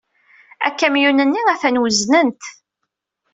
Akamyun-nni atan wezznen-t.